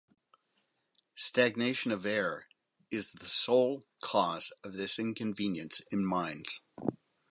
Stagnation of air is the sole cause of this inconvenience in mines.